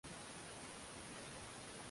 Wa elfu moja mia tisa sitini na saba